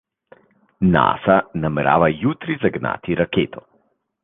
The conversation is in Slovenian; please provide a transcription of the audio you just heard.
NASA namerava jutri zagnati raketo.